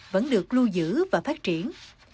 vẫn được lưu giữ và phát triển